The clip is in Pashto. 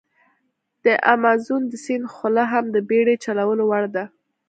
د امازون د سیند خوله هم د بېړی چلولو وړ ده.